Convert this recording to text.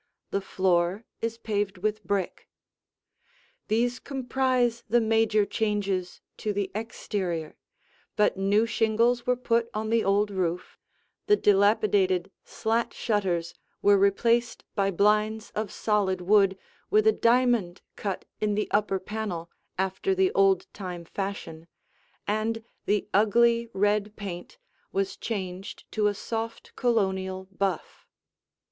The floor is paved with brick. These comprise the major changes to the exterior; but new shingles were put on the old roof; the dilapidated slat shutters were replaced by blinds of solid wood, with a diamond cut in the upper panel after the old time fashion; and the ugly red paint was changed to a soft Colonial buff.